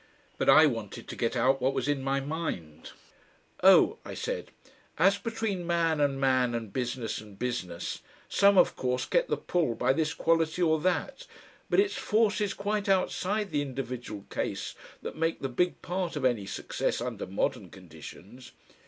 But I wanted to get out what was in my mind. "Oh!" I said, "as between man and man and business and business, some of course get the pull by this quality or that but it's forces quite outside the individual case that make the big part of any success under modern conditions.